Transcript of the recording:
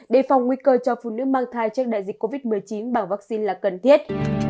đề phòng nguy cơ cho phụ nữ mang thai trước đại dịch covid một mươi chín bằng vaccine là cần thiết